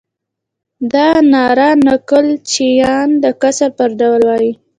دا ناره نکل چیان د کسر پر ډول وایي.